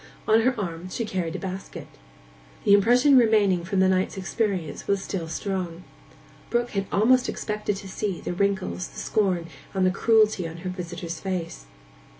On her arm she carried a basket. The impression remaining from the night's experience was still strong. Brook had almost expected to see the wrinkles, the scorn, and the cruelty on her visitor's face.